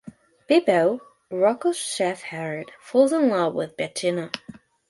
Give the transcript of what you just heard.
Pippo, Rocco's shepherd, falls in love with Bettina.